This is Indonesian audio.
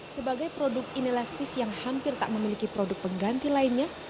sebagai produk inelastis yang hampir tak memiliki produk pengganti lainnya